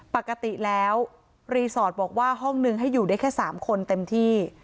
ปกติแล้วรีสอร์ทบอกว่าห้องนึงให้อยู่ได้แค่๓คนเต็มที่